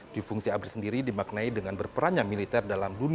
dwi fungsi abri sendiri dimaknai dengan berperan yang militer dalam dunia